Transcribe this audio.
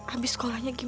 aku mau pergi